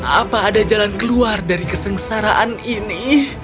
apa ada jalan keluar dari kesengsaraan ini